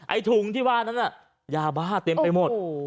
ถุงที่ว่านั้นน่ะยาบ้าเต็มไปหมด